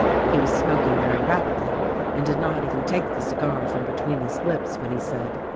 "He was smoking very rapidly and did not even take the cigar from between his lips when he said.